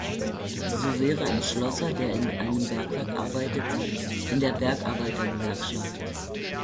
So wäre ein Schlosser, der in einem Bergwerk arbeitet, in der Bergarbeiter-Gewerkschaft.